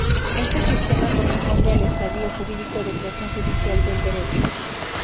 Este sistema corresponde al estadio jurídico de creación judicial del Derecho.